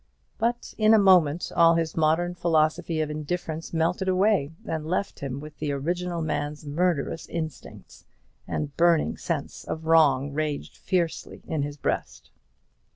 But in a moment all his modern philosophy of indifference melted away, and left him with the original man's murderous instincts and burning sense of wrong raging fiercely in his breast.